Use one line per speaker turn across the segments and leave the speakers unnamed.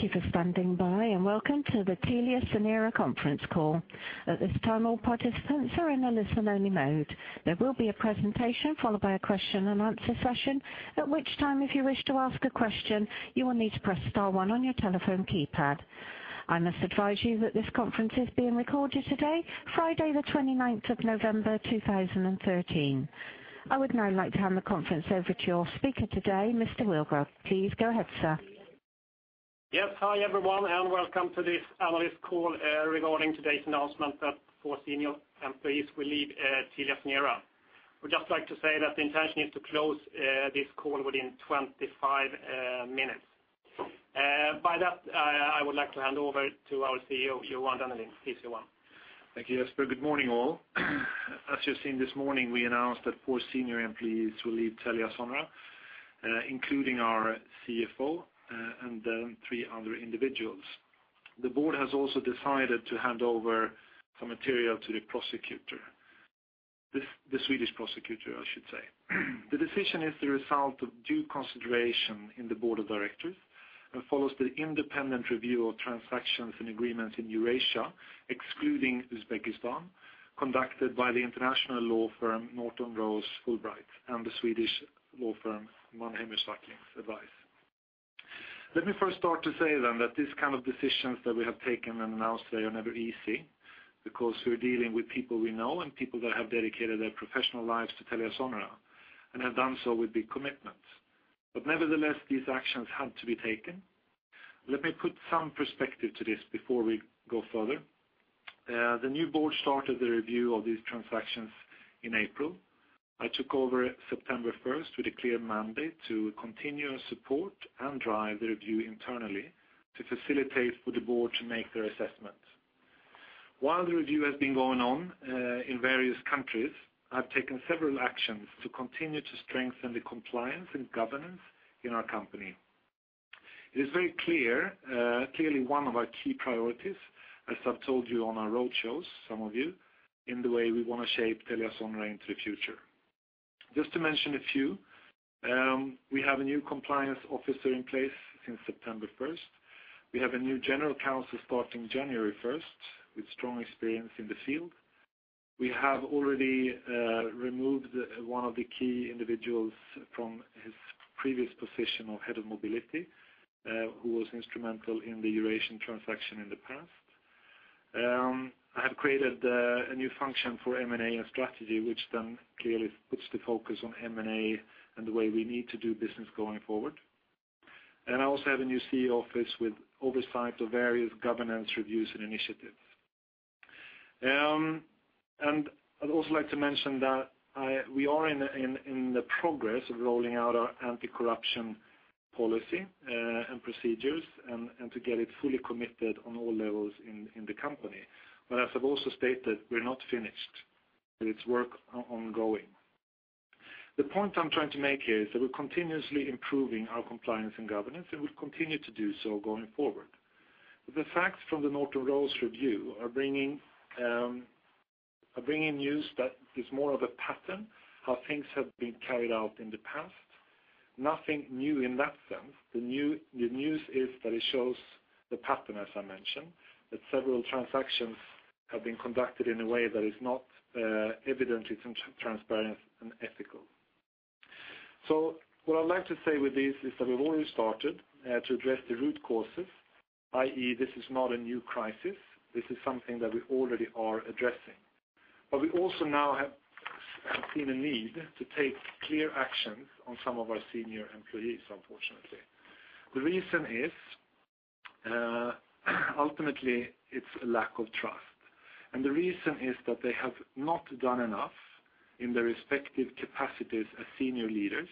Thank you for standing by and welcome to the TeliaSonera conference call. At this time, all participants are in a listen-only mode. There will be a presentation followed by a question and answer session. At which time, if you wish to ask a question, you will need to press star one on your telephone keypad. I must advise you that this conference is being recorded today, Friday the 29th of November, 2013. I would now like to hand the conference over to your speaker today, Mr. Wilgodt. Please go ahead, sir.
Yes. Hi, everyone. Welcome to this analyst call regarding today's announcement that four senior employees will leave TeliaSonera. We'd just like to say that the intention is to close this call within 25 minutes. I would like to hand over to our CEO, Johan Dennelind. Please, Johan.
Thank you, Jesper. Good morning, all. As you've seen this morning, we announced that four senior employees will leave TeliaSonera, including our CFO and three other individuals. The board has also decided to hand over some material to the prosecutor, the Swedish prosecutor, I should say. The decision is the result of due consideration in the board of directors and follows the independent review of transactions and agreements in Eurasia, excluding Uzbekistan, conducted by the international law firm Norton Rose Fulbright and the Swedish law firm Mannheimer Swartlings. Let me first start to say that this kind of decisions that we have taken and announced today are never easy, because we're dealing with people we know and people that have dedicated their professional lives to TeliaSonera and have done so with big commitment. Nevertheless, these actions had to be taken. Let me put some perspective to this before we go further. The new board started the review of these transactions in April. I took over September 1st with a clear mandate to continue and support and drive the review internally to facilitate for the board to make their assessment. While the review has been going on in various countries, I've taken several actions to continue to strengthen the compliance and governance in our company. It is very clearly one of our key priorities, as I've told you on our road shows, some of you, in the way we want to shape TeliaSonera into the future. Just to mention a few, we have a new compliance officer in place since September 1st. We have a new general counsel starting January 1st with strong experience in the field. We have already removed one of the key individuals from his previous position of head of mobility, who was instrumental in the Eurasian transaction in the past. I have created a new function for M&A and strategy, which then clearly puts the focus on M&A and the way we need to do business going forward. I also have a new CEO office with oversight of various governance reviews and initiatives. I'd also like to mention that we are in the progress of rolling out our anti-corruption policy and procedures and to get it fully committed on all levels in the company. As I've also stated, we're not finished, and it's work ongoing. The point I'm trying to make here is that we're continuously improving our compliance and governance, and we'll continue to do so going forward. The facts from the Norton Rose review are bringing news that is more of a pattern, how things have been carried out in the past. Nothing new in that sense. The news is that it shows the pattern, as I mentioned, that several transactions have been conducted in a way that is not evidently transparent and ethical. What I'd like to say with this is that we've already started to address the root causes, i.e., this is not a new crisis. This is something that we already are addressing. We also now have seen a need to take clear actions on some of our senior employees, unfortunately. The reason is, ultimately, it's a lack of trust, and the reason is that they have not done enough in their respective capacities as senior leaders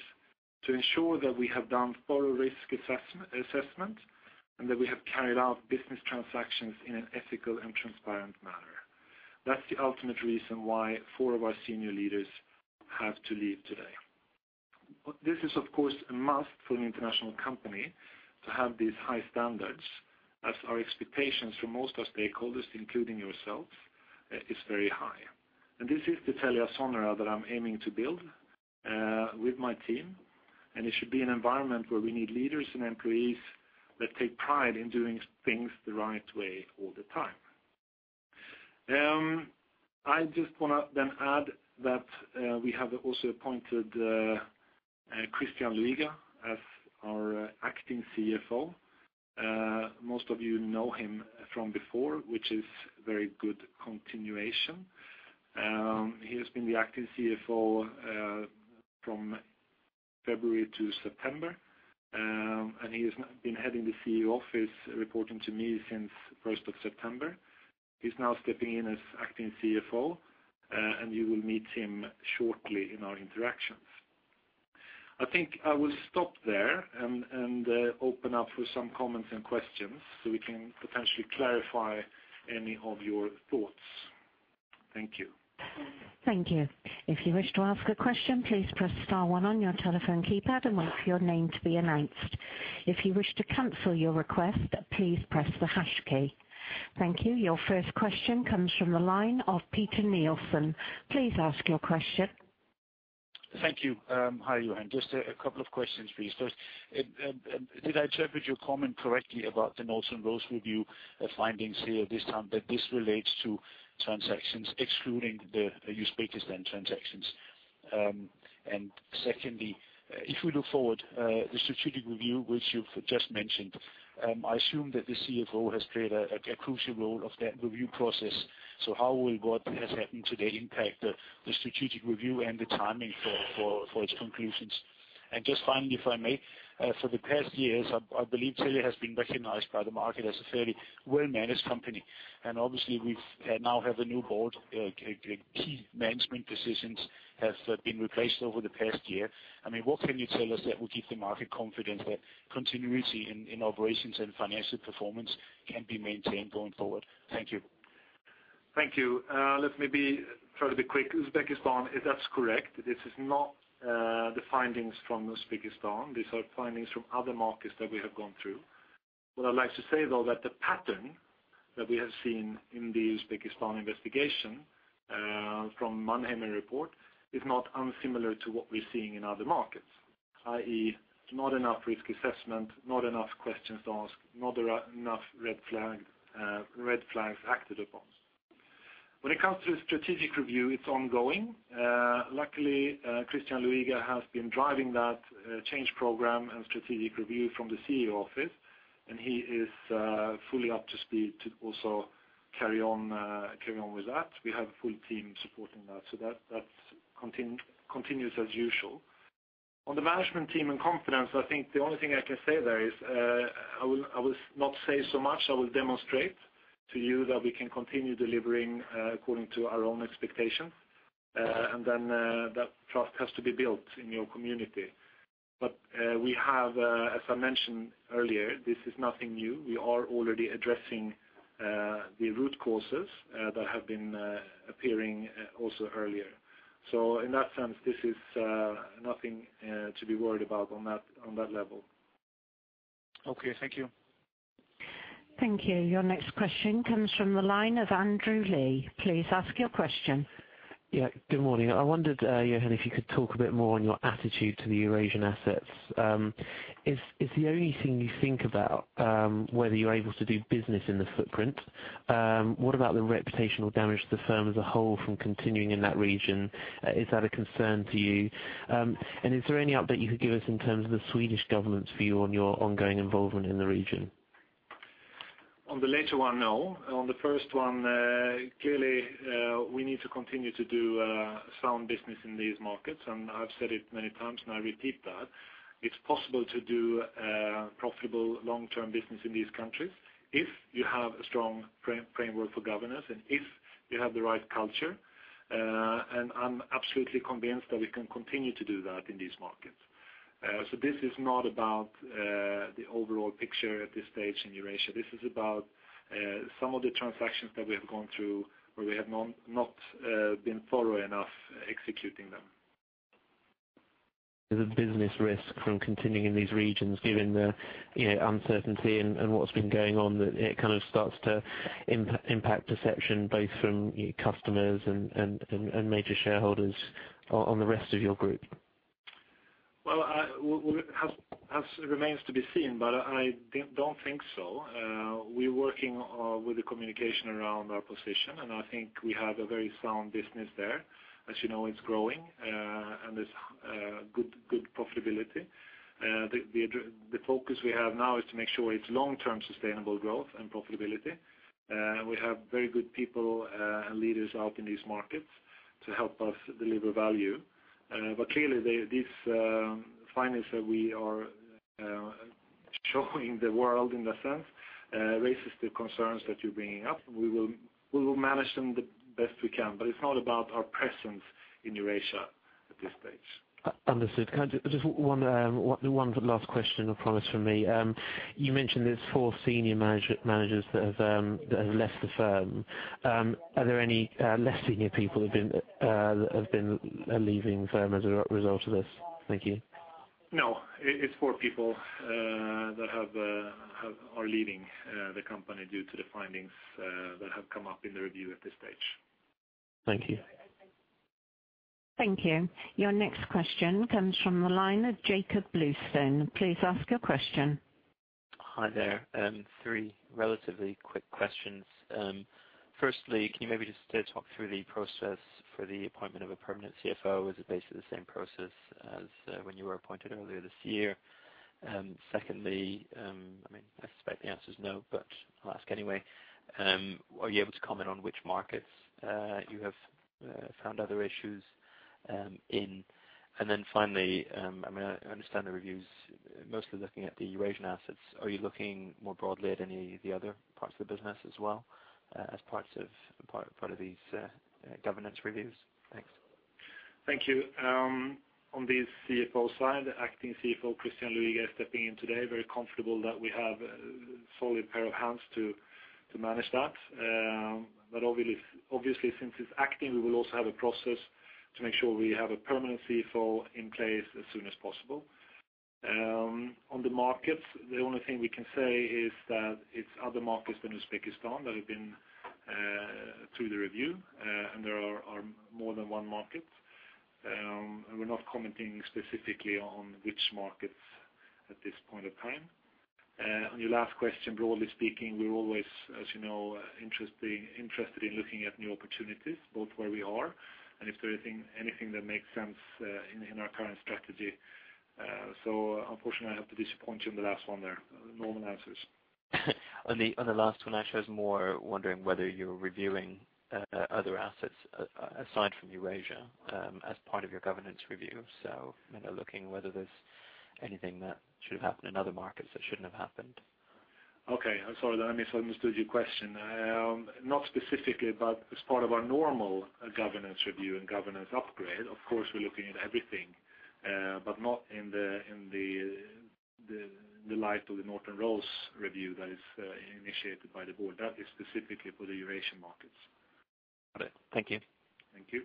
to ensure that we have done thorough risk assessment, and that we have carried out business transactions in an ethical and transparent manner. That's the ultimate reason why four of our senior leaders have to leave today. This is, of course, a must for an international company to have these high standards as our expectations from most of our stakeholders, including yourselves, is very high. This is the TeliaSonera that I'm aiming to build with my team, and it should be an environment where we need leaders and employees that take pride in doing things the right way all the time. I just want to then add that we have also appointed Christian Luiga as our acting CFO. Most of you know him from before, which is very good continuation. He has been the acting CFO from February to September, and he has been heading the CEO office reporting to me since 1st of September. He's now stepping in as acting CFO, and you will meet him shortly in our interactions. I think I will stop there and open up for some comments and questions, so we can potentially clarify any of your thoughts. Thank you.
Thank you. If you wish to ask a question, please press star one on your telephone keypad and wait for your name to be announced. If you wish to cancel your request, please press the hash key. Thank you. Your first question comes from the line of Peter Nilsson. Please ask your question.
Thank you. Hi, Johan. Just a couple of questions, please. First, did I interpret your comment correctly about the Norton Rose review findings here this time that this relates to transactions excluding the Uzbekistan transactions? Secondly, if we look forward, the strategic review which you've just mentioned, I assume that the CFO has played a crucial role of that review process. How will what has happened today impact the strategic review and the timing for its conclusions? Just finally, if I may. For the past years, I believe Telia has been recognized by the market as a fairly well-managed company, and obviously we now have a new board, key management positions have been replaced over the past year. What can you tell us that will give the market confidence that continuity in operations and financial performance can be maintained going forward? Thank you.
Thank you. Let me try to be quick. Uzbekistan, that's correct. This is not the findings from Uzbekistan. These are findings from other markets that we have gone through. What I'd like to say, though, that the pattern that we have seen in the Uzbekistan investigation, from Mannheimer report, is not unsimilar to what we're seeing in other markets. I.e., not enough risk assessment, not enough questions asked, not enough red flags acted upon. When it comes to the strategic review, it's ongoing. Luckily, Christian Luiga has been driving that change program and strategic review from the CEO office, and he is fully up to speed to also carry on with that. We have a full team supporting that, so that continues as usual. On the management team and confidence, I think the only thing I can say there is, I will not say so much. I will demonstrate to you that we can continue delivering according to our own expectations, and then that trust has to be built in your community. We have, as I mentioned earlier, this is nothing new. We are already addressing the root causes that have been appearing also earlier. In that sense, this is nothing to be worried about on that level.
Okay. Thank you.
Thank you. Your next question comes from the line of Andrew Lee. Please ask your question.
Yeah. Good morning. I wondered, Johan, if you could talk a bit more on your attitude to the Eurasian assets. Is the only thing you think about whether you're able to do business in the footprint? What about the reputational damage to the firm as a whole from continuing in that region? Is that a concern to you? Is there any update you could give us in terms of the Swedish government's view on your ongoing involvement in the region?
On the latter one, no. On the first one, clearly, we need to continue to do sound business in these markets, and I've said it many times, and I repeat that. It's possible to do profitable long-term business in these countries if you have a strong framework for governance and if you have the right culture. I'm absolutely convinced that we can continue to do that in these markets. This is not about the overall picture at this stage in Eurasia. This is about some of the transactions that we have gone through where we have not been thorough enough executing them.
There's a business risk from continuing in these regions given the uncertainty and what's been going on, that it starts to impact perception, both from customers and major shareholders on the rest of your group.
Well, it remains to be seen, but I don't think so. We're working with the communication around our position, and I think we have a very sound business there. As you know, it's growing, and there's good profitability. The focus we have now is to make sure it's long-term sustainable growth and profitability. We have very good people and leaders out in these markets to help us deliver value. Clearly, these findings that we are showing the world, in a sense, raises the concerns that you're bringing up. We will manage them the best we can. It's not about our presence in Eurasia at this stage.
Understood. Just one last question, I promise, from me. You mentioned there's four senior managers that have left the firm. Are there any less senior people that have been leaving the firm as a result of this? Thank you.
No. It's four people that are leaving the company due to the findings that have come up in the review at this stage.
Thank you.
Thank you. Your next question comes from the line of Jakob Bluestone. Please ask your question.
Hi there. Three relatively quick questions. Firstly, can you maybe just talk through the process for the appointment of a permanent CFO? Is it basically the same process as when you were appointed earlier this year? Secondly, I suspect the answer's no, but I'll ask anyway. Are you able to comment on which markets you have found other issues in? And then finally, I understand the review's mostly looking at the Eurasian assets. Are you looking more broadly at any of the other parts of the business as well as part of these governance reviews? Thanks.
Thank you. On the CFO side, acting CFO Christian Luiga is stepping in today. Very comfortable that we have a solid pair of hands to manage that. Obviously, since it's acting, we will also have a process to make sure we have a permanent CFO in place as soon as possible. On the markets, the only thing we can say is that it's other markets than Uzbekistan that have been through the review, and there are more than one market. We're not commenting specifically on which markets at this point of time. On your last question, broadly speaking, we're always, as you know, interested in looking at new opportunities, both where we are and if there is anything that makes sense in our current strategy. Unfortunately, I have to disappoint you on the last one there. Normal answers.
I was more wondering whether you're reviewing other assets aside from Eurasia as part of your governance review. Looking whether there's anything that should have happened in other markets that shouldn't have happened.
Okay. I'm sorry that I misunderstood your question. Not specifically, but as part of our normal governance review and governance upgrade, of course, we're looking at everything, but not in the light of the Norton Rose review that is initiated by the board. That is specifically for the Eurasian markets.
Got it. Thank you.
Thank you.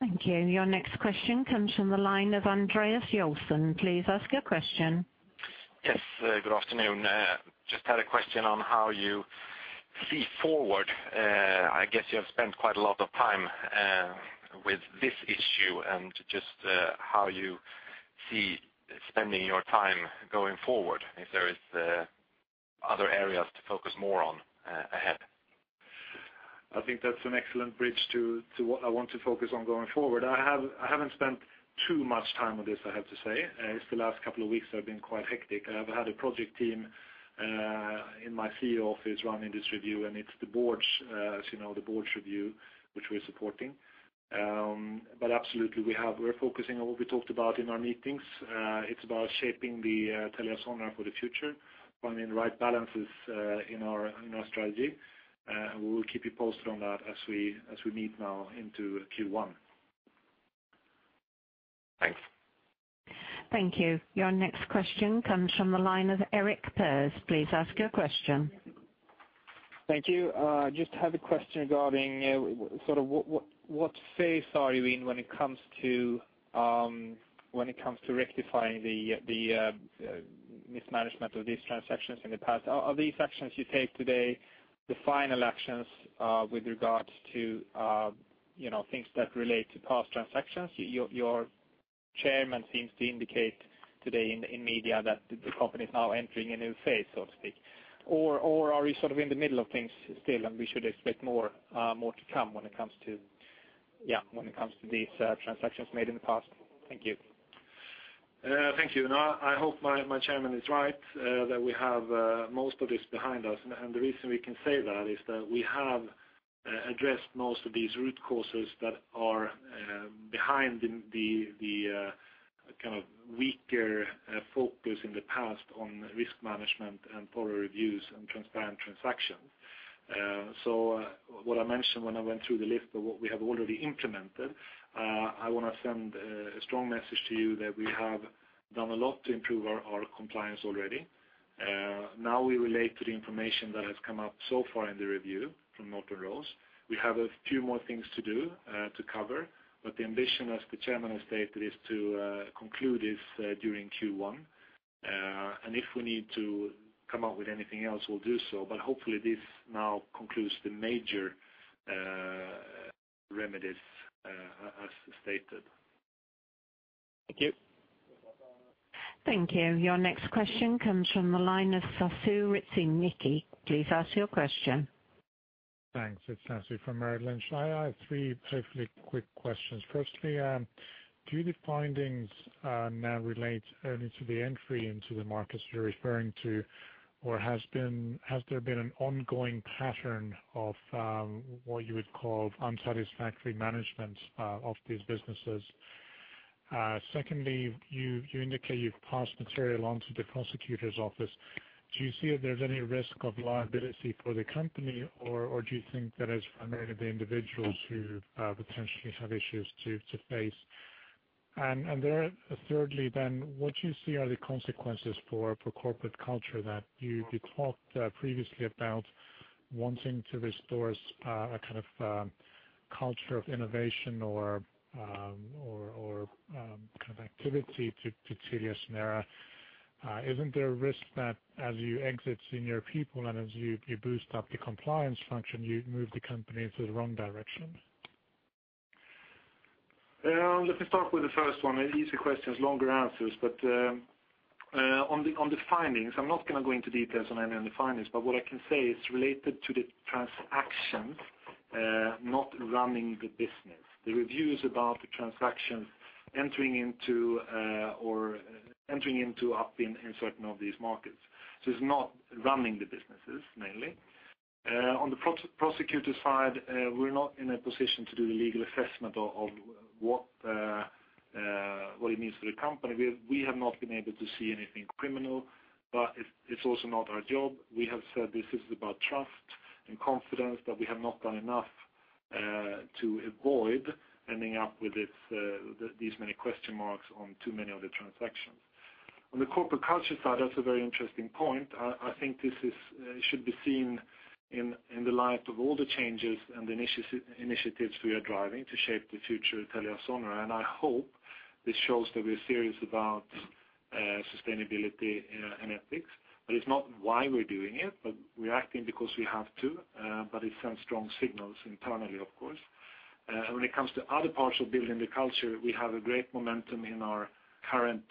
Thank you. Your next question comes from the line of Anders Olsson. Please ask your question.
Yes, good afternoon. Had a question on how you see forward. I guess you have spent quite a lot of time with this issue and just how you see spending your time going forward, if there is other areas to focus more on ahead.
I think that's an excellent bridge to what I want to focus on going forward. I haven't spent too much time on this, I have to say. It's the last couple of weeks have been quite hectic. I have had a project team in my CEO office running this review, and it's the board's review, which we're supporting. Absolutely, we have. We're focusing on what we talked about in our meetings. It's about shaping the TeliaSonera for the future, finding the right balances in our strategy. We will keep you posted on that as we meet now into Q1.
Thanks.
Thank you. Your next question comes from the line of Erik Pers. Please ask your question.
Thank you. Just have a question regarding what phase are you in when it comes to rectifying the mismanagement of these transactions in the past? Are these actions you take today the final actions with regards to things that relate to past transactions? Your chairman seems to indicate today in media that the company is now entering a new phase, so to speak. Are we in the middle of things still, and we should expect more to come when it comes to these transactions made in the past? Thank you.
Thank you. I hope my chairman is right, that we have most of this behind us. The reason we can say that is that we have addressed most of these root causes that are behind the weaker focus in the past on risk management and thorough reviews and transparent transactions. What I mentioned when I went through the list of what we have already implemented, I want to send a strong message to you that we have done a lot to improve our compliance already. Now we relate to the information that has come up so far in the review from Norton Rose. We have a few more things to do to cover. The ambition, as the chairman has stated, is to conclude this during Q1. If we need to come up with anything else, we'll do so. Hopefully, this now concludes the major remedies, as stated.
Thank you.
Thank you. Your next question comes from the line of Sasu Riikonen. Please ask your question.
Thanks. It's Sasu from Merrill Lynch. I have three hopefully quick questions. Firstly, do the findings now relate only to the entry into the markets you're referring to, or has there been an ongoing pattern of what you would call unsatisfactory management of these businesses? Secondly, you indicate you've passed material on to the prosecutor's office. Do you see if there's any risk of liability for the company, or do you think that it's mainly the individuals who potentially have issues to face? Thirdly, what do you see are the consequences for corporate culture that you talked previously about wanting to restore a culture of innovation or activity to TeliaSonera? Isn't there a risk that as you exit senior people and as you boost up the compliance function, you move the company into the wrong direction?
Let me start with the first one. Easy questions, longer answers. On the findings, I'm not going to go into details on any of the findings, what I can say it's related to the transactions, not running the business. The review is about the transactions entering into certain of these markets. It's not running the businesses mainly. On the prosecutor side, we're not in a position to do the legal assessment of what it means for the company. We have not been able to see anything criminal, it's also not our job. We have said this is about trust and confidence, we have not done enough to avoid ending up with these many question marks on too many of the transactions. On the corporate culture side, that's a very interesting point. I think this should be seen in the light of all the changes and initiatives we are driving to shape the future of TeliaSonera. I hope this shows that we're serious about sustainability and ethics, it's not why we're doing it, we're acting because we have to, it sends strong signals internally, of course. When it comes to other parts of building the culture, we have a great momentum in our current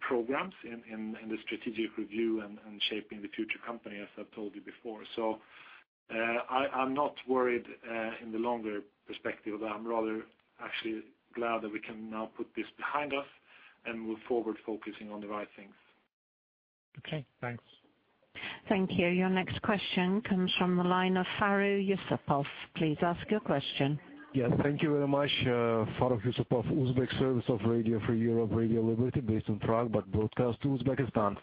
programs in the strategic review and shaping the future company, as I've told you before. I'm not worried in the longer perspective. I'm rather actually glad that we can now put this behind us and move forward focusing on the right things.
Okay, thanks.
Thank you. Your next question comes from the line of Faruk Yusupov. Please ask your question.
Yes, thank you very much. Faruk Yusupov, Uzbek service of Radio Free Europe/Radio Liberty, based in Prague, but broadcast to Uzbekistan.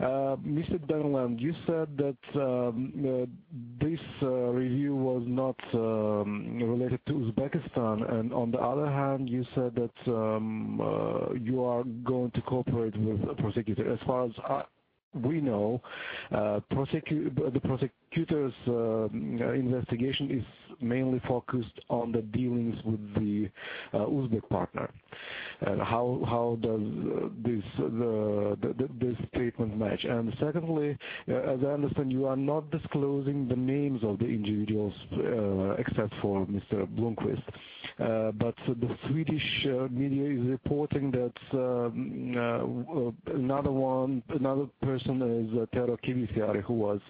Mr. Dennelind, you said that this review was not related to Uzbekistan. On the other hand, you said that you are going to cooperate with the prosecutor. As far as we know, the prosecutor's investigation is mainly focused on the dealings with the Uzbek partner. How does this statement match? The Swedish media is reporting that another person is Tero Kivisaari, who was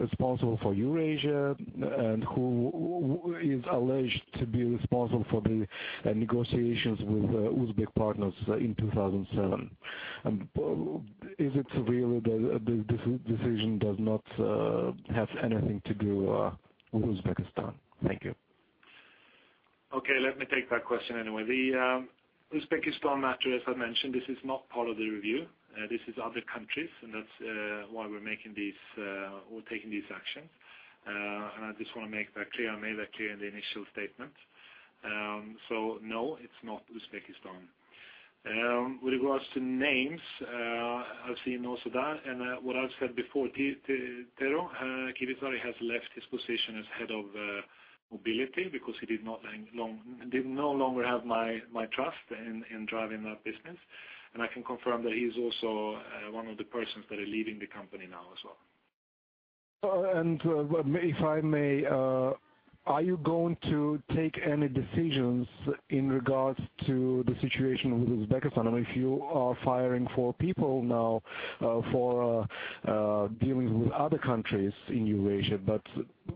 responsible for Eurasia and who is alleged to be responsible for the negotiations with Uzbek partners in 2007. Is it really that this decision does not have anything to do with Uzbekistan? Thank you.
Okay. Let me take that question anyway. The Uzbekistan matter, as I mentioned, this is not part of the review. This is other countries, that's why we're taking these actions. I just want to make that clear. I made that clear in the initial statement. No, it's not Uzbekistan. With regards to names, I've seen also that, and what I've said before, Tero Kivisaari has left his position as head of mobility because he did no longer have my trust in driving that business. I can confirm that he's also one of the persons that are leaving the company now as well.
If I may, are you going to take any decisions in regards to the situation with Uzbekistan? If you are firing four people now for dealings with other countries in Eurasia, but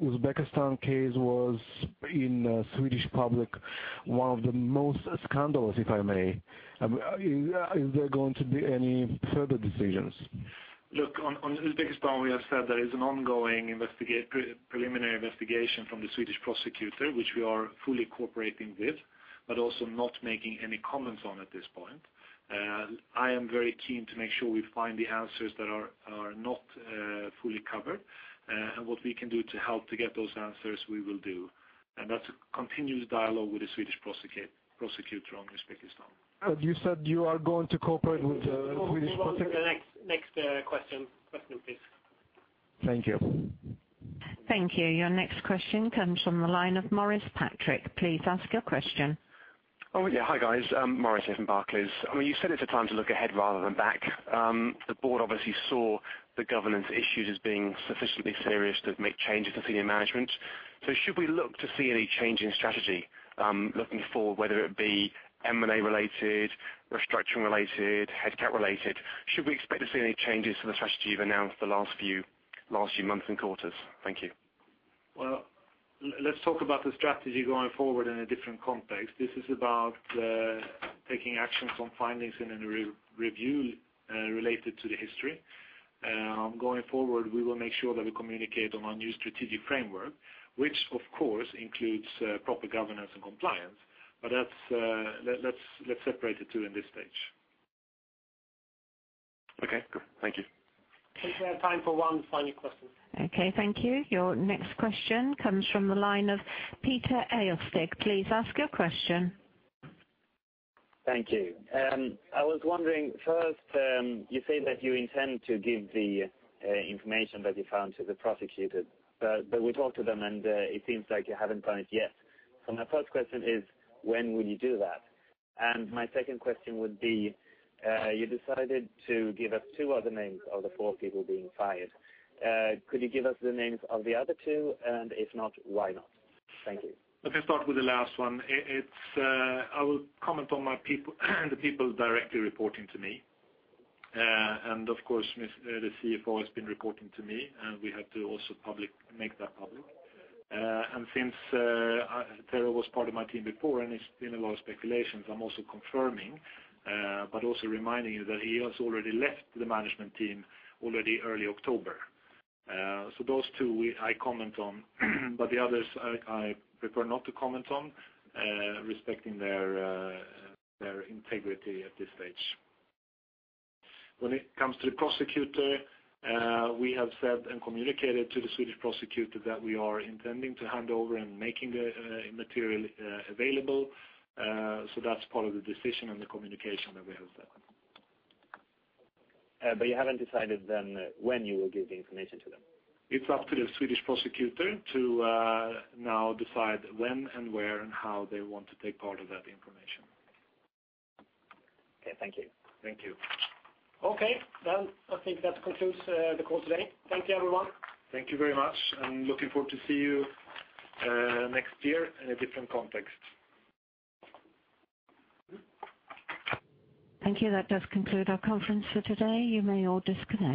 Uzbekistan case was in Swedish public, one of the most scandalous, if I may. Is there going to be any further decisions?
Look, on Uzbekistan, we have said there is an ongoing preliminary investigation from the Swedish prosecutor, which we are fully cooperating with, but also not making any comments on at this point. I am very keen to make sure we find the answers that are not fully covered, and what we can do to help to get those answers we will do. That's a continuous dialogue with the Swedish prosecutor on Uzbekistan.
You said you are going to cooperate with the Swedish prosecutor-
Move on to the next question, please.
Thank you.
Thank you. Your next question comes from the line of Maurice Patrick. Please ask your question.
Hi, guys. Maurice here from Barclays. You said it's a time to look ahead rather than back. The board obviously saw the governance issues as being sufficiently serious to make changes to senior management. Should we look to see any change in strategy looking forward, whether it be M&A-related, restructuring-related, head count-related? Should we expect to see any changes to the strategy you've announced the last few months and quarters? Thank you.
Well, let's talk about the strategy going forward in a different context. This is about taking actions on findings in a review related to the history. Going forward, we will make sure that we communicate on our new strategic framework, which of course includes proper governance and compliance. Let's separate the two in this stage.
Okay, good. Thank you.
I think we have time for one final question.
Okay, thank you. Your next question comes from the line of Peter Hestig. Please ask your question.
Thank you. I was wondering, first, you say that you intend to give the information that you found to the prosecutor. We talked to them, and it seems like you haven't done it yet. My first question is, when will you do that? My second question would be, you decided to give us two other names of the four people being fired. Could you give us the names of the other two? If not, why not? Thank you.
Let me start with the last one. I will comment on the people directly reporting to me. Of course, the CFO has been reporting to me, and we have to also make that public. Since Tero was part of my team before, and there's been a lot of speculations, I'm also confirming, but also reminding you that he has already left the management team already early October. Those two, I comment on, but the others, I prefer not to comment on, respecting their integrity at this stage. When it comes to the prosecutor, we have said and communicated to the Swedish prosecutor that we are intending to hand over and making the material available. That's part of the decision and the communication that we have there.
You haven't decided then when you will give the information to them?
It's up to the Swedish prosecutor to now decide when and where and how they want to take part of that information.
Okay. Thank you.
Thank you.
Okay, well, I think that concludes the call today. Thank you, everyone.
Thank you very much. Looking forward to see you next year in a different context.
Thank you. That does conclude our conference for today. You may all disconnect.